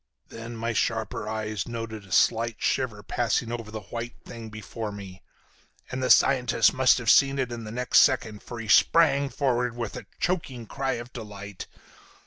"Then my sharper eyes noted a slight shiver passing over the white thing before me, and the scientist must have seen it in the next second, for he sprang forward with a choking cry of delight.